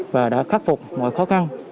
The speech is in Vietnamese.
và đã khắc phục mọi khó khăn